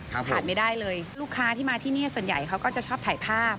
ขาดไม่ได้เลยลูกค้าที่มาที่นี่ส่วนใหญ่เขาก็จะชอบถ่ายภาพ